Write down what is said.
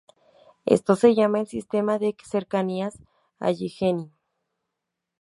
Esto se llama el sistema de cercanías Allegheny.